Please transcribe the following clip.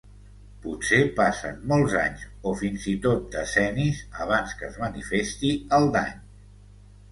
Potser passen molts anys o fins i tot decennis abans que es manifesti el dany.